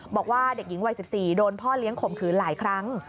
บอกว่าเด็กหญิงวัย๑๔โดนพ่อเลี้ยงข่มขืนหลายครั้ง